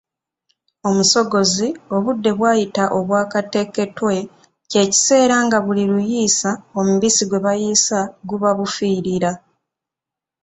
Omusogozi obudde bwayita obwakateketwe kye kiseera nga buli luyiisa, omubisi gwe bayiisa gufabufiirira.